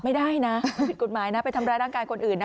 ไม่ได้นะผิดกฎหมายนะไปทำร้ายร่างกายคนอื่นนะ